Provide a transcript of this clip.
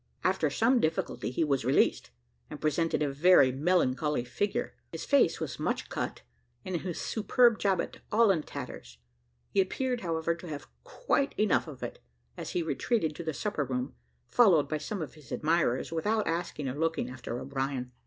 After some difficulty he was released, and presented a very melancholy figure. His face was much cut, and his superb jabot all in tatters; he appeared, however, to have had quite enough of it, as he retreated to the supper room, followed by some of his admirers, without asking or looking after O'Brien.